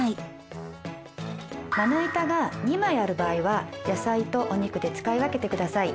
まな板が２枚ある場合は野菜とお肉で使い分けてください。